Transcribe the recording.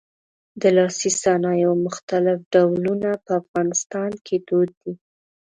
د لاسي صنایعو مختلف ډولونه په افغانستان کې دود دي.